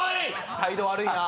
態度悪いな。